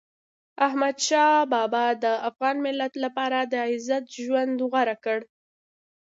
احمدشاه بابا د افغان ملت لپاره د عزت ژوند غوره کړ.